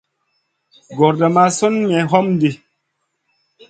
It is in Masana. Gordaa maʼa Sun me homdi.